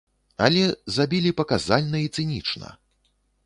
Але забілі паказальна і цынічна.